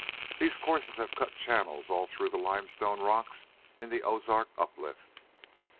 These courses have cut channels all through the limestone rocks in the Ozark Uplift."